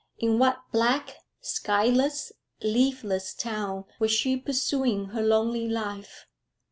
In what black, skyless, leafless town was she pursuing her lonely life?